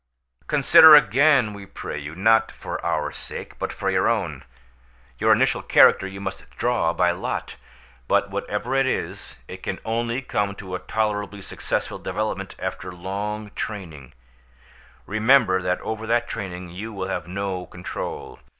"Consider it again, we pray you, not for our sake but for your own. Your initial character you must draw by lot; but whatever it is, it can only come to a tolerably successful development after long training; remember that over that training you will have no control.